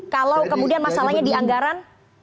kalau kemudian masalahnya di anggaran